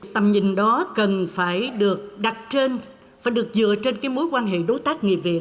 tầm nhìn đó cần phải được đặt trên và được dựa trên mối quan hệ đối tác nghị viện